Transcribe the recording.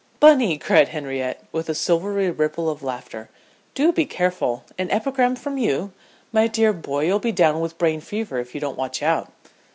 "Bunny!" cried Henriette, with a silvery ripple of laughter. "Do be careful. An epigram from you? My dear boy, you'll be down with brain fever if you don't watch out."